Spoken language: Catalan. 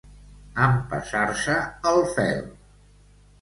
Empassar-se el fel.